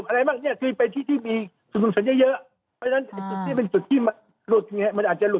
อะไรบ้างเนี่ยคือไปที่ที่มีสูงสนเยอะนี่เป็นสุดที่มันหลุดไงมันอาจจะหลุด